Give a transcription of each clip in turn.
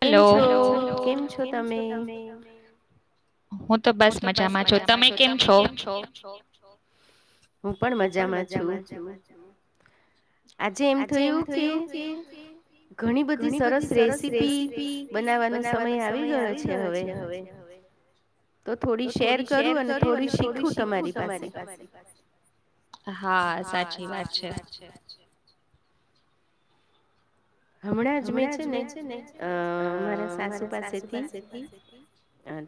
Hello કેમ છો કેમ છો તમે. હું તો બસ મા છો તમે કેમ છો આજે એમ થયું ઘણી બધી સરસ. રેસીપી બનાવવાનો સમય આવી ગયો છે હવે. તો થોડી શેર કરું અને થોડી શીખું તમારી પાસે, હા સાચી વાત છે. હમણાં જ મેં છે ને અ મારા સાસુ પાસેથી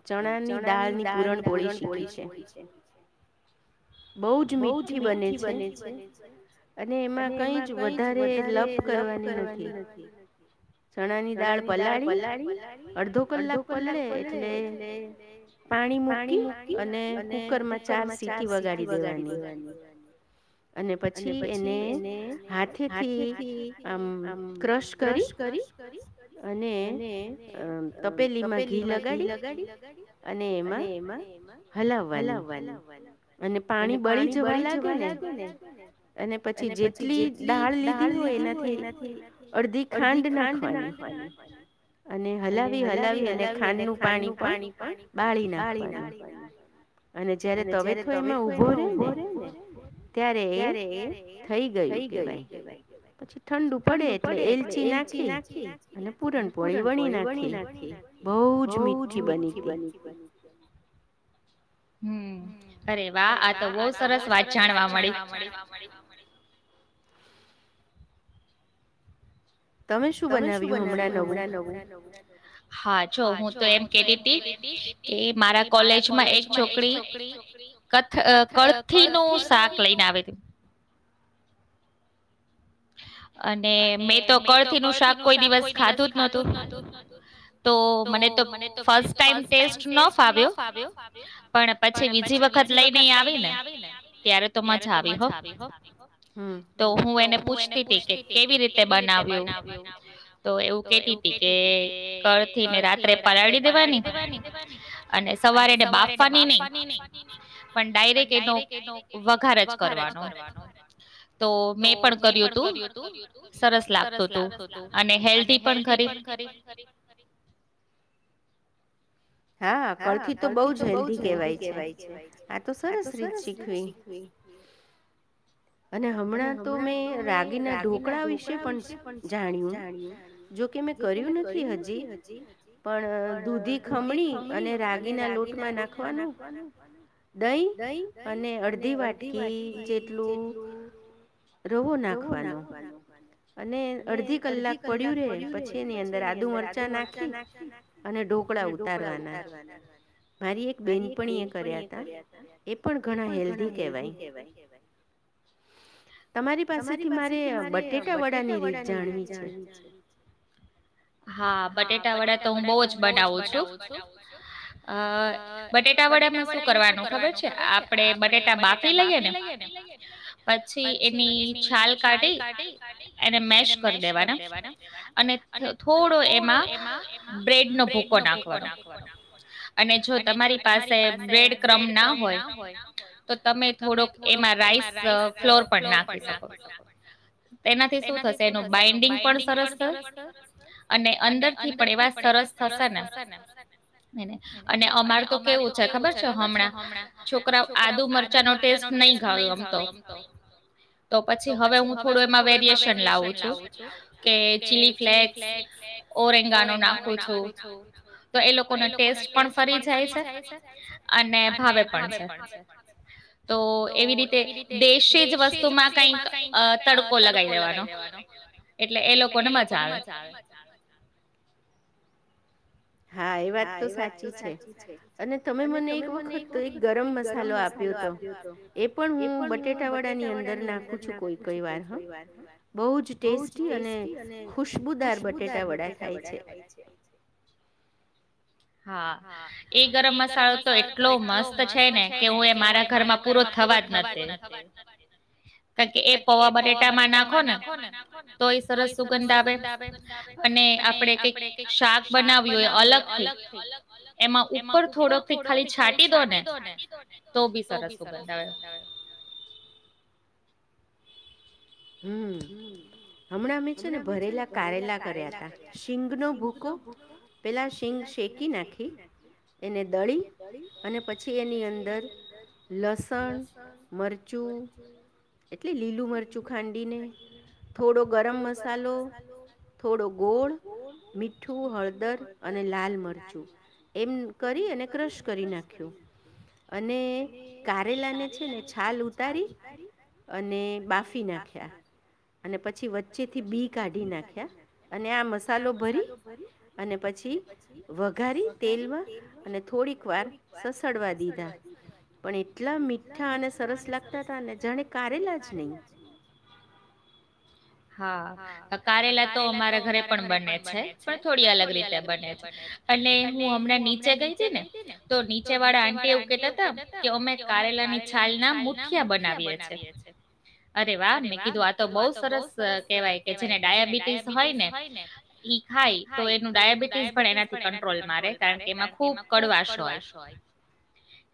ચણાની દાળની પૂરણપોળી શીખી છે. બહુ જ મીઠી બને છે અને એમાં કઈ જ વધારે લપ કરવાની નથી. ચણા ની દાળ પલાળી અડધો કલાક પલળે એટલે પાણી મૂકી અને કુકર માં ચાર સીટી વગાડી. અને પછી એને હાથેથી આમ ક્રશ કરી ક્રશ અને તપેલી માં ઘી લગાડી અને એમાં હલાવવાની અને પાણી બળી જવા લાગે ને, અને પછી જેટલી દાળ લીધી હોય એનાથી અડધી ખાંડ નાખવાંની અને. હલાવી હલાવી, અને ખાંડ નું પાણી પણ બાળી નાખવાનું. અને જયારે તવે વે એમાં ઉભો રહેે ને, ત્યારે થઈ ગયું કેવાય. પછી ઠંડુ પડે એટલે એલચી નાખી અને પૂરણપોળી વણી નાખી. બહુ જ મીઠી બનતી. હમ્મ. અરે વાહ આ તો બહ સરસ વાત જાણવા મળી. હા જો હું તો એમ કહેતી તી કે મારા કોલેજમાં એક છોકરી કથ- કળથી નું શાક લઈ ને આવી થી. અને મેં તો કળથી નું શાક કોઈ દિવસ ખાધું જ નતું. તો, મને તો ફસ્ટ ટેસ્ટ ન ફાવ્યો, પણ પછી બીજી વખત લઈ ને ઈ આવીને ત્યારે તો મજા આવી. તો હું એને પૂછતી થી કે કે રીતે બનાવ્યું. તો એવું કેતી હતી કે કળથી ને રાત્રે પલાળી દેવાની અને સવારેને બાફવાની નહીં, પણ ડાયરેક્ટ એનો વઘારજ કરવાનો. તો મે પણ કર્યું તું. સરસ લાગતો તો અને હેલ્ધી પણ ખરી. હા, કળથી તો બઉ જ હેલ્ધી કેવાય છે. આ તો સરસ રીત શીખવી. અને હમણાં તો મેં રાગીના ઢોકળા વિશે પણ સ જાણ્યું. જોકે મેં કર્યું નથી હજી. પણ દૂધી ખમણી અને રાગીના લોટમાં નાખવાનું દહીં અને અડધી વાટકી જેટલું રવો નાખવાનો અને અડધી કલાક પડ્યું રે પછી એની અંદર આદુ મરચાં નાખી અને ઢોકળા ઉ કપડા ઉતારવાના. મારી એક બેનપણીએ કર્યા હતા એ પણ ઘણા હેલ્થી કહેવાય. તમારી પાસેથી મારે બટેકા વડા ની રીત જાણવી છે. હા, બટેટા વડા તો હું બહું જ બનાવું છું. અહ બટેટા વડામાં શું કરવાનું ખબર છે, આપડે બટેટા બાફી લઈએ ને પછી એની છાલ કાઢી એને મેશ કરી દેવાના અને થ-થોડો તો એમાં બ્રેડ નો ભૂકો નાખવાનો. અને જો તમારી પાસે બ્રેડ ક્રમ ના હોય તો તમે થોડોક એમાં રાઈસ અહ ફ્લોર પણ નાખી શકો. તેનાથી શું થશે એનું બાઈન્ડિંગ પણ સરસ થશ અને અંદર થી પણ એવા સરસ થશે ને એને અને અમાર તો કેવું છે ખબર છે હમણાં છોકરા આદુ મરચાં નો ટેસ્ટ નહીં ઘાલ ગમતો તો પછી હવે હું થોડું એમાં વેરિએેશન લાવું છું, કે ચીલી ફ્લેક્સ ઓરેંગાનો નાખું છું. તો એ લોકો ટેસ્ટ પણ ફરી જાય છે, અને ભાવે પણ છે. તો એવી રીતે તે દેશી જ વસ્તુ માં કઈક અહ તડકો લગાવી દેવાનો. એટલે એ લોકો ને મજા આવે. હા, એ વાત તો સાચી છે. અને તમે મને એક વખત એક ગરમ મસાલો આપ્યો તો. એ પણ હું બટેટા વડાની અંદર નાખું છું કોઈ કઈ વાર હ. બહુજ ટેસ્ટી અને ખુશબુદાર બટેટા વડા થાય છે. હા, એ ગરમ મસાલો તો એટલો મસ્ત છે ને કે હું એ મારા ઘરમાં પૂરો થવા જ નથે. કારણ કે એ પવા બટેટામાં નાખો ને તો એ સરસ સુગંધ આવે અને આપડે કઈક શાક બનાવ્યું અલગ થી એમાં ઉપર થોડોક થી ખાલી છાટી દો ને, તો ભી સરસ સુગંધ આવે. હમ્મ. હમણાં મે છે ને ભરેલા કારેલા કર્યા તા. શીંગનો ભૂકો, પેલા શીંગ શેકી નાખી, એને દળી અને પછી એની અંદર લસણ, મરચું એટલે લીલું મર [inaudible] નાખ્યા અને પછી વચ્ચેથી બી કાઢી નાખ્યા, અને આ મસાલો ભરી અને પછી વઘારી તેલમાં અને થોડીક વાર સસડવા દીધા, પણ એટલા મીઠા અને સરસ લાગતા તા ને જાણે કારેલા જ નહીં. હા, અહ કારેલા તો અમારા ઘરે પણ બને છે પણ થોડી અલગ રીતે બને છે, અને હું હમણાં નીચે ગઈ તી ને તો નીચે વાળા આંટી એવું કેતા તા કે અમે કારેલા ની છાલના મુઠિયા બનાવીએે છે. અરે વાહ મેં કીધું આ તો બઉ સરસ કે કે જેને ડાયાબિટીસ હોય ને ઈ ખાય તો એનું ડાયાબિટીસ પણ એનાથી કંટ્રોલ મા રે કારણ કે એમાં ખુબ કડવાશ હોય.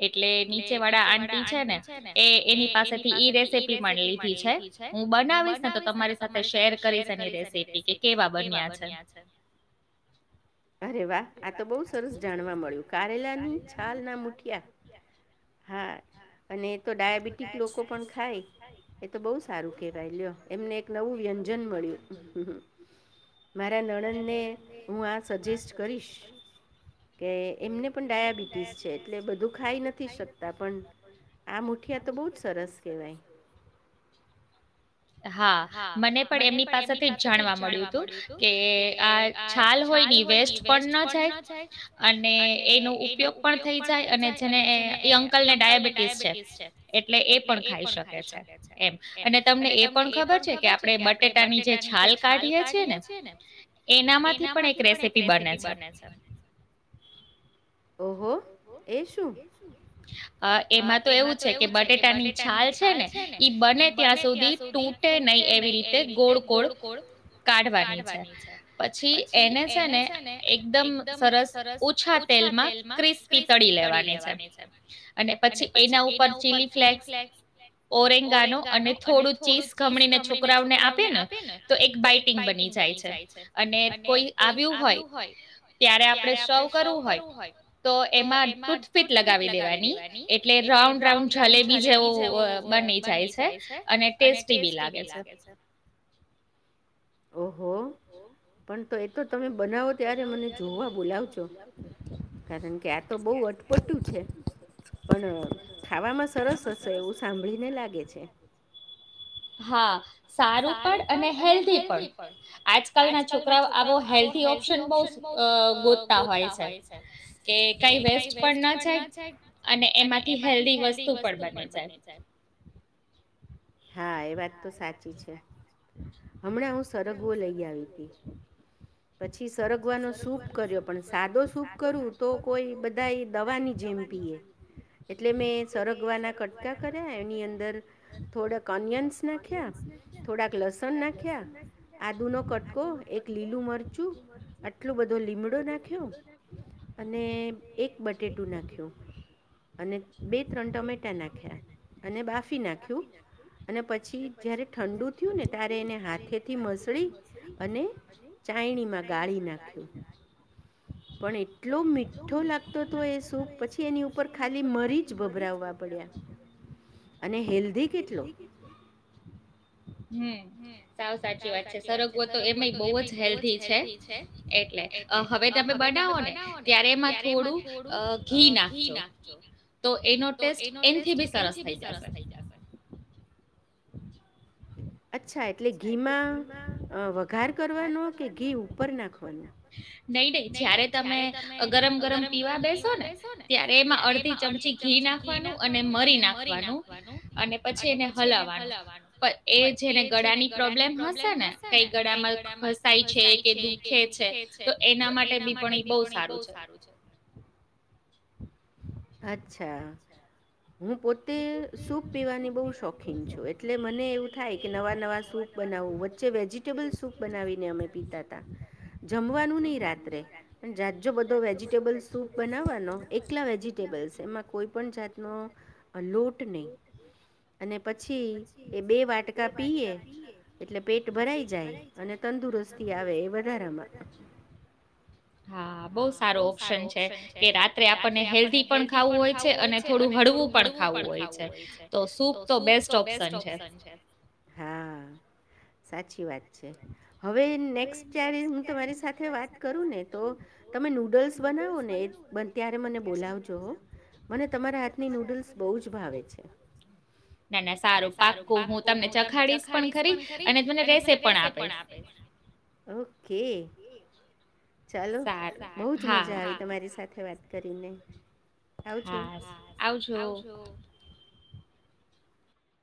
એટલે નીચે વાળા આટી છે ને એ એની પાસેથી ઈ રેસે પી મને આપી છે, હું બનાવીશ ને તો તમારી સાથે તમારી સાથે શેર કરીશ એની રેસીપી કેવા બન્યા છે. અરે વાહ આ તો બહું સરસ જાણવા મળ્યું, કારેલા ની છાલ ના મુઠિયા, હા. અને એ તો ડાયાબિટીક લોકો પણ ખાય એ તો બહુ સારું કેહેવાય લ્યો. એમને નવું વ્યંજન મળ્યું. મારા નણંદને હું આ સજેસ્ટ કરીશ કે એમને પણ ડાયાબિટીસ છે. એટલે બધું ખાઈ નથી શકતા. આ મુઠિયા તો બહું જ સરસ કહેવાય. હા મને પણ એમની પાસેથી જ જાણવા મળ્યું તું કે આ છાલ હોય ને ઈ વેસ્ટ પણ ન જાય અને એનો ઉપયોગ પણ થઈ જાય, અને જેનેં યં [unintelligible] ડાયાબિટીસ છે, એટલે એ પણ ખાઈ શકે છે એમ. અને તમને એ પણ ખબર પણ ખબર છે કે આપણે બટેટાની જે છાલ કાઢીએ છે ને, એનામાંથી પણ એક રેસીપી બને છે. અહ એમાં તો એવું છે કે બટેટાની છાલ છે ને ઈ બને ત્યાં સુધી તૂટે નહી એવી રીતે ગોળ-ગોળ કાઢવાની છે. પછી એને છે ને એકદમ સરસ ઓછા તેલમાં ક્રિસ્પ પી તળી લેવાની છે. અને પછી એના ઉપર ચીલી ફ્લેક્સ, ઓરેંગા નો અને થોડું ચીસ ખમણીને છોકરાઓને આપે ને તો એક બાઈટિંગ બની જાય છે, અને કોઈ આવ્યું હોય ત્યારે આપણે સવ કરવું હોય તો એમાં ટૂથપીક લગાવી દેવાની, એટલે રાઉન્ડ-રાઉન્ડ જલેબી જેવું અહ બની જાય છે, અને ટેસ્ટ [unintelligible] લાગે છે. ઓહો પણ તો એતો તમે બનાવો ત્યારે મને જોવા બોલાવજો, કારણ કે આ તો બહુ અટપટું છે. પણ ખાવામાં સરસ હશે એવું સાંભળીને લાગે છે. હા. સારું પણ અને હેલ્ધી પણ. આજકાલના છોકરાઓ આવો હેલ્ધી ઓપ્શન બઉ ગોતતા હોય છે, કે કઈ વેસ્ટ પણ ના જાય અને એમાંથી હેલ્ધ વસ્તુ પણ બની જાય. હા એ વાત તો સા હમણાં હું સરગવો લઈ આવી તી પછી સરગવાનો સૂપ કર્યો પણ સાદો સૂપ કરું તો કોઈ બધા એ દવાની જેમ પીએ એટલે મેં સરગવાના કટકા કર્યા એની અંદર થોડા ઓનિયન્સ નાંખ્યા થોડાક લસણ નાંખ્યા, આદુનો કટકો, એક લીલું મરચું, આટલુ બધો લીમડો નાખ્યો અને એક બટેટું નાખ્યું અને બે ત્રણ ટમેટા નાંખ્યા અને બાફી નાખ્યું અને પછી જ્યારે ઠંડુ થયું ને ત્યારે એને હાથેથી મસળી અને ચાયણીમાં ગાળી નાખ્યું. પણ એટલો મીઠો લાગતો તો એ સૂપ પછી એની ઉપર ખાલી મરી જ ભભરાવવા પડ્યા અને હેલ્ધી હદી કે હમ સાવ સાચી વાત છે, સરગવો તો એમેય બહુ જ હેલ્ધી છે એટલે હવે તમે બનાવો ને ત્યારે એમાં થોડું ઘી નાખજો તો એનો ટેસ્ટ એનથી બી સરસ થઈ જાશે. અચ્છા એટલે ઘીમાં વઘાર કરવાનો કે ઘી ઉપર નાાખવાનો? નઈ નઈ જયારે તમે ગરમ ગરમ પીવા બેસો ને ત્યારે એમાં અડધી ચમચી ઘી નાખવાનું અને મરી નાખવાનું અને પછી એને હલાવવાનું એ જેને ગળાની પ્રોબ્લેમ હશે ને કઈ ગળામાં ઘસાય છે, કે દુઃખે છે તો એ તો એના માટે, બીપણી બહુ સારું છે. અચ્છા. હું પોતે સૂપ પીવાની બહુ શોખીન છું, એટલે મને એવું થાય કે નવા નવા સૂપ બનાવું, વચ્ચે વેજીિટેબલ સૂપ બનાવીને અમે પીતા તા જમવાનું નઈ રાત્રે, પણ જાજો બધો વેજીિટેબલ સૂપ બનાવવાનો એકલા વેજી જીટેબલ્સ એમાં કોઈ પણ જાતનો અને પછી એ બે વાટકા પીએ એટલે પેટ ભરાઈ જાય અને તંદુરસ્તી આવે એ વધારામાં. હા બઉુ સારો ઓપ્શન છે, કે રાત્રે આપણને હેલ્ધી પણ ખાવું હોય છે અને થોડું હળવું પણ વુ પણ ખાવું હોય છે, તો સૂપ તો બેસ્ટ ઓપ્શન છે. હા, સાચી વાત છે. હવે નેક્સ્ટ જ્યારે હું તમારી સાથે વાત કરું ને તો તમે નૂડલ્સ બનાવો ને બ ત્યારે મને બોલાવજો હં, મને તમારા હાથની નૂડલ્સ બઉ જ ભાવે છે, વ ના ના સારો પાકુ હું તમ ચખાડીશ પણ ખરી અને તને રેસે પણ આપે [unintelligible] એ બઉ જ મજા આવી તમારી સાથે વાત કરીને. હાં, આવજો.